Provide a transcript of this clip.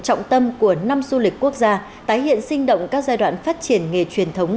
trọng tâm của năm du lịch quốc gia tái hiện sinh động các giai đoạn phát triển nghề truyền thống